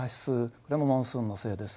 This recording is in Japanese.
これもモンスーンのせいです。